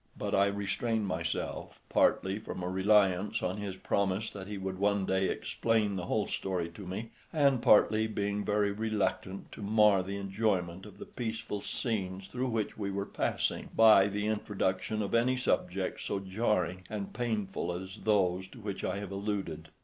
But I restrained myself, partly from a reliance on his promise that he would one day explain the whole story to me, and partly being very reluctant to mar the enjoyment of the peaceful scenes through which we were passing, by the introduction of any subjects so jarring and painful as those to which I have alluded.